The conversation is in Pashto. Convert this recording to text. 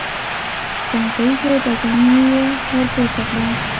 څنګ ته ايښی بدنۍ يې ورپورته کړه.